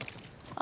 あ。